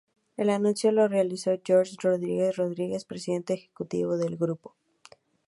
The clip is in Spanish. El anuncio lo realizó Jorge Rodríguez Rodriguez presidente ejecutivo del Grupo.